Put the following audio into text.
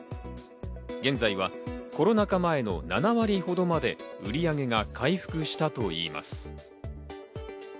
現在はコロナ禍前の７割ほどまで売り上げが回復したといいます。